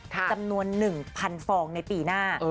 จำนวน๑๐๐ฟองในปีหน้า